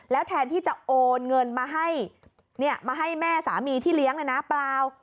แทนที่จะโอนเงินมาให้มาให้แม่สามีที่เลี้ยงเลยนะเปล่า